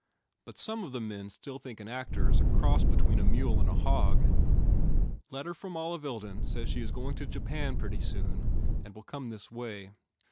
But some of the men still think an actor is a cross between a mule and a hog. Letter from Olive Ilden says she is going to Japan pretty soon and will come this way.